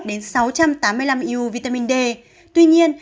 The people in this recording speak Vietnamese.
eu vitamin d tuy nhiên